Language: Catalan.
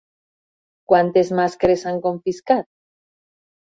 Quantes màscares s'han confiscat?